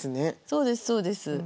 そうですそうです。